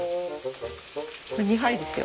これ２杯ですよ。